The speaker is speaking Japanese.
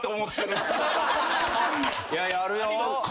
いやいやあるよ！